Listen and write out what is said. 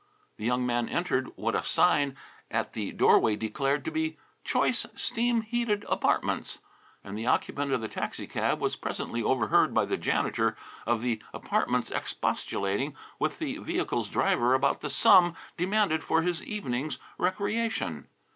The young man entered what a sign at the doorway declared to be "Choice Steam heated Apartments," and the occupant of the taxi cab was presently overheard by the janitor of the apartments expostulating with the vehicle's driver about the sum demanded for his evening's recreation.